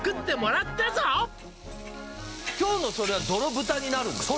今日のそれはどろ豚になるんですか？